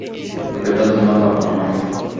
এতটা তোমার প্রাপ্য নয়।